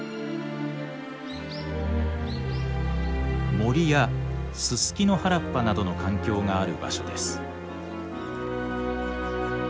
森やススキの原っぱなどの環境がある場所です。